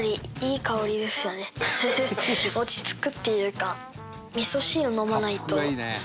フフッ落ち着くっていうか。